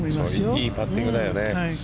いいパッティングだよね。